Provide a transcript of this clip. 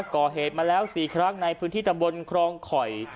ก่อเหตุมาแล้ว๔ครั้งในพื้นที่ตำบลครองข่อย